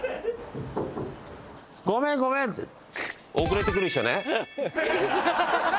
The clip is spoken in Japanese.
遅れてくる人ね。